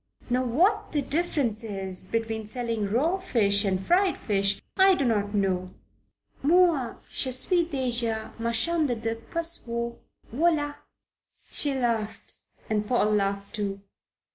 Now what the difference is between selling raw fish and fried fish, I do not know. Moi, je suis deja marchande de poissons, voila!" She laughed and Paul laughed too.